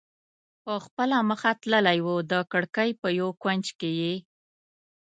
په خپله مخه تللی و، د کړکۍ په یو کونج کې یې.